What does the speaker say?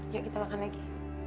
yuk kita makan lagi